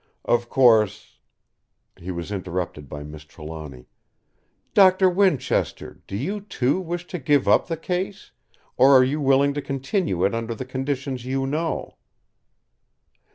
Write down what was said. Of course—" He was interrupted by Miss Trelawny: "Doctor Winchester, do you, too, wish to give up the case; or are you willing to continue it under the conditions you know?"